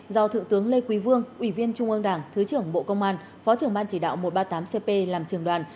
do thượng tướng lê quý vương ủy viên trung ương đảng thứ trưởng bộ công an phó trưởng ban chỉ đạo một trăm ba mươi tám cp làm trường đoàn